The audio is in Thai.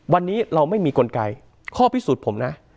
วันนี้เราไม่มีกลไกข้อพิสูจน์ผมนะ